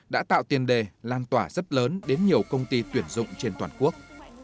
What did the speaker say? đã tạo tiền đề lan tỏa rất lớn đến nhiều công ty tuyển dụng trên toàn quốc